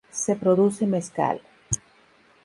Se produce mezcal.